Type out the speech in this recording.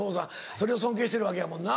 それを尊敬してるわけやもんな。